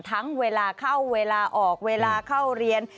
เวลาเข้าเวลาออกเวลาเข้าเรียน